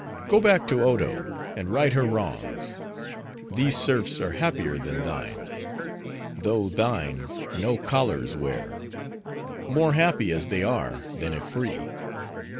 Go back to Odo, and right her wrongs! These serfs are happier than thine; though thine, no collars wear; more happy as they are, than if free.